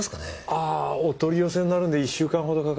あお取り寄せになるんで１週間ほどかかるかと。